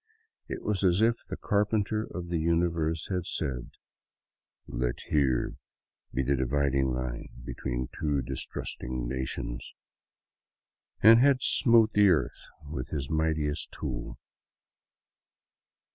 It was as if the Carpenter of the Universe had said: " Let here be the divid ing line between two distrusting nations," and had smote the earth with His mightiest tool.